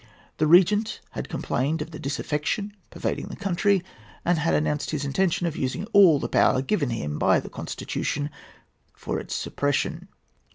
The Regent had complained of the disaffection pervading the country, and had announced his intention of using all the power given him by the Constitution for its suppression.